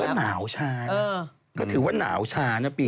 ญี่ปุ่นก็หนาวชาก็ถือว่าหนาวชานะปีนี้